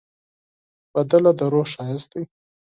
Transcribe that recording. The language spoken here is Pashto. سندره د روح ښایست دی